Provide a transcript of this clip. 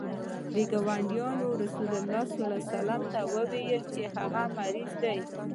ګاونډیانو رسول ته وویل چې هغه مریض دی.